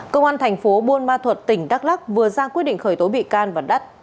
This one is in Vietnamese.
công an thành phố buôn ma thuật tỉnh đắk lắc vừa ra quyết định khởi tố bị can và đắt